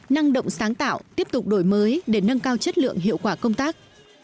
năng động sáng tạo tiếp tục đổi mới để nâng cao chất lượng hiệu quả công tác